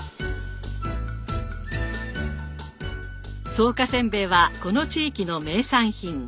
草加せんべいはこの地域の名産品。